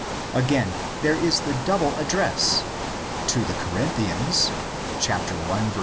Again, there is the double address—to the Corinthians (i. 1, vi.